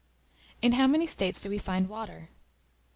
In how many states do we find Water?